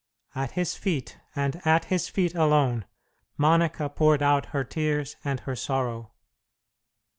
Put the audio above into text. At His feet, and at His feet alone, Monica poured out her tears and her sorrow.